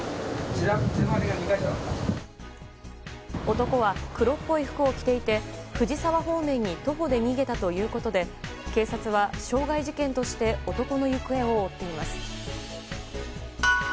男は黒っぽい服を着ていて藤沢方面に徒歩で逃げたということで警察は傷害事件として男の行方を追っています。